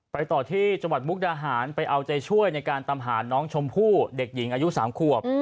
ต่อที่จังหวัดมุกดาหารไปเอาใจช่วยในการตามหาน้องชมพู่เด็กหญิงอายุ๓ขวบ